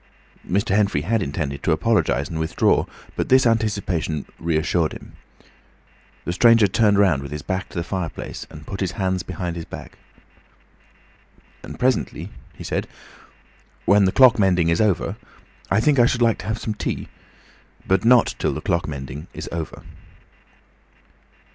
Mr. Henfrey had intended to apologise and withdraw, but this anticipation reassured him. The stranger turned round with his back to the fireplace and put his hands behind his back. "And presently," he said, "when the clock mending is over, I think I should like to have some tea. But not till the clock mending is over."